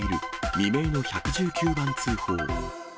未明の１１９番通報。